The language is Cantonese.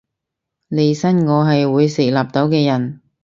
利申我係會食納豆嘅人